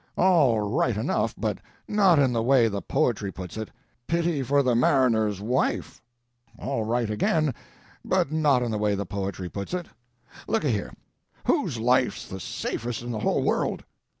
All right enough, but not in the way the poetry puts it. Pity for the mariner's wife! all right again, but not in the way the poetry puts it. Look a here! whose life's the safest in the whole world?